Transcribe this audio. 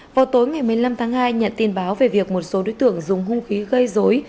vào tối ngày một mươi năm tháng hai nhận tin báo về việc một số đối tượng dùng hung khí gây dối